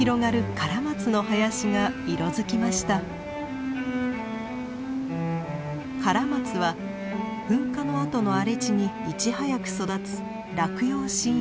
カラマツは噴火の跡の荒れ地にいち早く育つ落葉針葉樹。